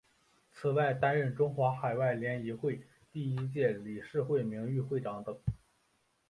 此外担任中华海外联谊会第一届理事会名誉会长等。